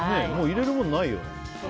入れるものないよ。